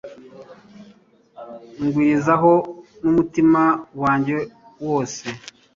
Nkwizirikaho n’umutima wanjye wose